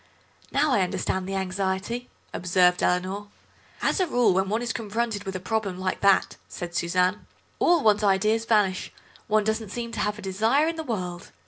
"Now I understand the anxiety," observed Eleanor. "As a rule when one is confronted with a problem like that," said Suzanne, "all one's ideas vanish; one doesn't seem to have a desire in the world.